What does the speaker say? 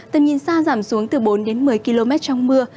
tầm nhìn xa giảm xuống từ bốn đến một mươi km trong mưa